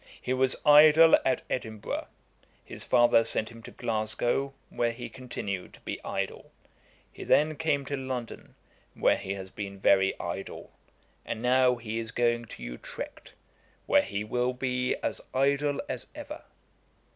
He was idle at Edinburgh. His father sent him to Glasgow, where he continued to be idle. He then came to London, where he has been very idle; and now he is going to Utrecht, where he will be as idle as ever.'